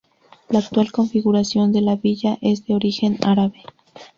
La actual configuración de la villa es de origen árabe.